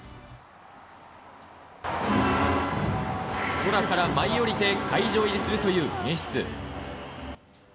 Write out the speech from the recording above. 空から舞い降りて会場入りするという演出。